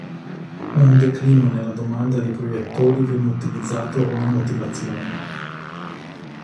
Un declino nella domanda di proiettori venne utilizzato come motivazione.